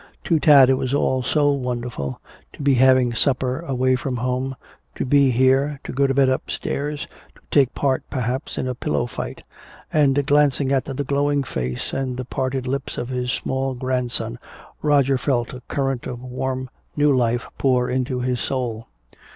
To Tad it was all so wonderful, to be having supper away from home, to be here, to go to bed upstairs, to take part perhaps in a pillow fight.... And glancing at the glowing face and the parted lips of his small grandson Roger felt a current of warm new life pour into his soul.